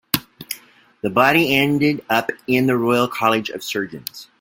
The body ended up in the Royal College of Surgeons.